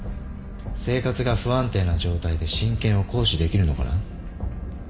生活が不安定な状態で親権を行使できるのかな。